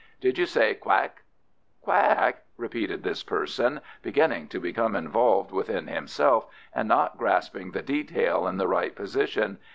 "Did you say 'Quack'?" "Quack?" repeated this person, beginning to become involved within himself, and not grasping the detail in the right position.